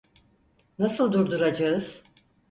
Nasıl durduracağız?